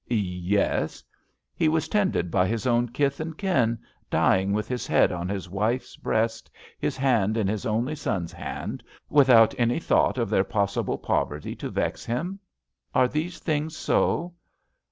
"'' Yes." And he was tended by his own kith and kin. 236 ABAFT THE FUNNEIi dying with his head on his wife's breast, his hand in his only son's hand, withont any thonght of their possible poverty to vex him. Are these things so?